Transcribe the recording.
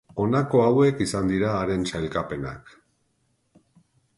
Honako hauek izan dira haren sailkapenak.